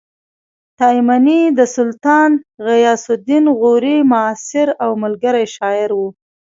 تایمني د سلطان غیاث الدین غوري معاصر او ملګری شاعر و